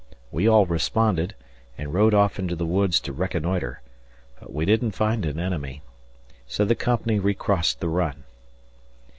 We all responded and rode off into the woods to reconnoitre, but we didn't find an enemy. So the company recrossed the Run.